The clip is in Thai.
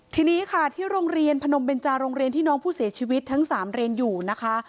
ทีนี้ค่ะที่โรงเรียนพนมเบนจาโรงเรียนที่น้องผู้เสียชีวิตทั้ง๓เรียนอยู่นะคะ